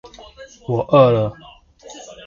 我餓了